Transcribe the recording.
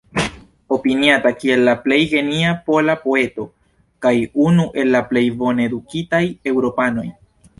Opiniata kiel la plej genia pola poeto kaj unu el plej bone edukitaj eŭropanoj.